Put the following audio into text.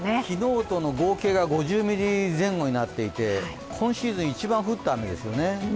昨日との合計が５０ミリ前後になっていて今シーズン、一番降った雨ですよね